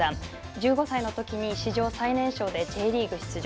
１５歳のときに史上最年少でＪリーグ出場。